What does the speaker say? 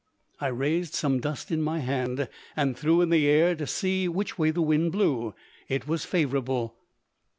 I raised some dust in my hand and threw it in the air, to see which way the wind blew. It was favorable.